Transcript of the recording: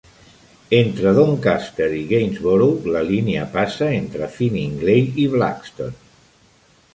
Entre Doncaster i Gainsborough la línia passa entre Finningley i Blaxton.